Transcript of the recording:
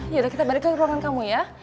yaudah kita balikkan ke ruangan kamu ya